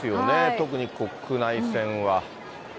特に国内線は。